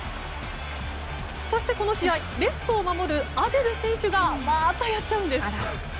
そして、この試合レフトを守るアデル選手がまたやっちゃうんです。